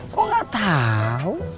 kok gak tahu